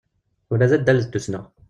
Ula d addal d tussna.